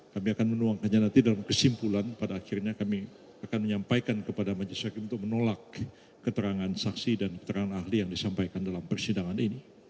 kami akan menuang hanya nanti dalam kesimpulan pada akhirnya kami akan menyampaikan kepada majelis hakim untuk menolak keterangan saksi dan keterangan ahli yang disampaikan dalam persidangan ini